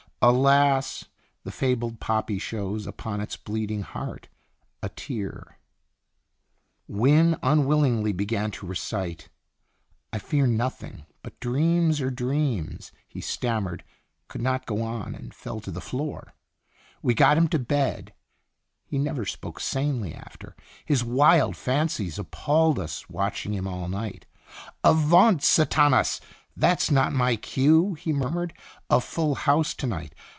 Alas ! the fabled poppy shows Upon its bleeding heart a tear ! Wynne unwillingly began to recite: "'I fear nothing, but dreams are dreams '" He stammered, could not go on, and fell to the floor. We got him to bed. He never Qtn Itinerant tyonst. 17 spoke sanely after. His wild fancies appalled us watching him all night. "Avaunt Sathanas! That's not my cue," he muttered. "A full house to night.